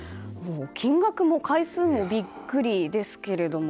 金額も回数もビックリですけども。